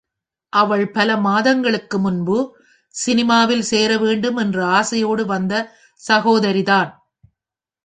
அவள் பல மாதங்களுக்கு முன்பு சினிமாவில் சேர வேண்டும் என்ற ஆசையோடு வந்த சகோதரிதான்.